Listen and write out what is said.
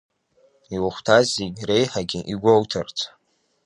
Иухәҭаз зегь реиҳагьы игәоуҭарц.